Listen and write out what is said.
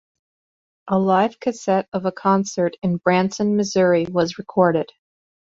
A live cassette of a concert in Branson, Missouri was recorded.